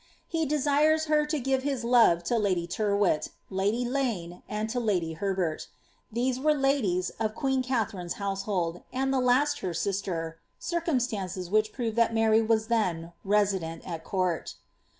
He desires her to give his love to ladv Tvrwhit, lady Lane, and to lady Herbert ; these were latliri of queen Katharine^s household, and the hist her sister— circumstances which prove that Mary was then resident at court.